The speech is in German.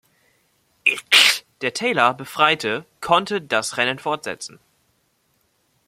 Ickx, der Taylor befreite, konnte das Rennen fortsetzen.